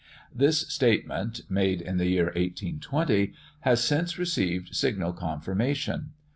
This statement, made in the year 1820, has since received signal confirmation.